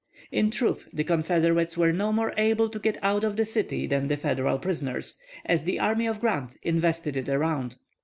In truth, the Confederates were no more able to get out of the city than the Federal prisoners, as the army of Grant invested it around.